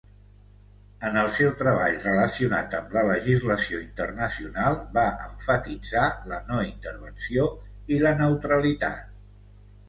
En el seu treball relacionat amb la legislació internacional va emfatitzar la no intervenció i la neutralitat.